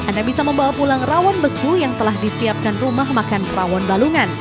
anda bisa membawa pulang rawon beku yang telah disiapkan rumah makan rawon balungan